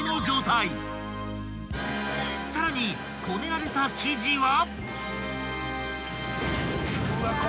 ［さらにこねられた生地は］